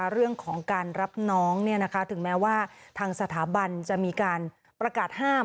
เรื่องของการรับน้องถึงแม้ว่าทางสถาบันจะมีการประกาศห้าม